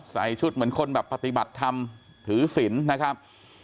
ใส่ชุดเหมือนคนแบบปฏิบัติธรรมถือศิลป์นะครับ